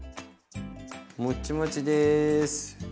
もっちもちです。